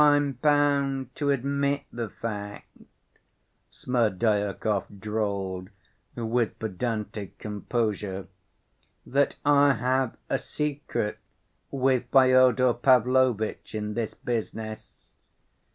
"I'm bound to admit the fact," Smerdyakov drawled with pedantic composure, "that I have a secret with Fyodor Pavlovitch in this business.